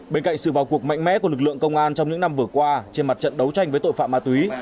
bên cạnh sự vào cuộc mạnh mẽ của lực lượng công an trong những năm vừa qua trên mặt trận đấu tranh với tội phạm ma túy